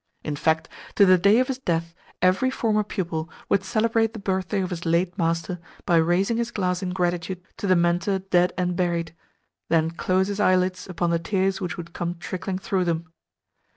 In fact, to the day of his death, every former pupil would celebrate the birthday of his late master by raising his glass in gratitude to the mentor dead and buried then close his eyelids upon the tears which would come trickling through them.